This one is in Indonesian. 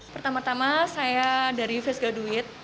pertama tama saya dari fesga duit